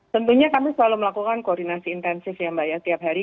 tentunya kami selalu melakukan koordinasi intensif ya mbak ya tiap hari